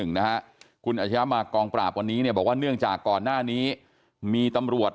วันนี้เป็นการพาบวันนี้บอกว่าเนื่องจากก่อนหน้านี้มีตำรวจ